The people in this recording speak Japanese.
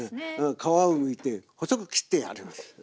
皮をむいて細く切ってあります。